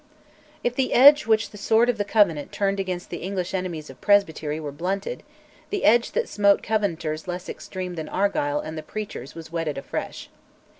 If the edge which the sword of the Covenant turned against the English enemies of presbytery were blunted, the edge that smote Covenanters less extreme than Argyll and the preachers was whetted afresh.